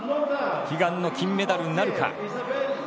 悲願の金メダルなるか。